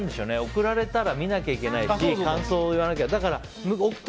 送られたら見なきゃいけないし感想を言わなきゃって。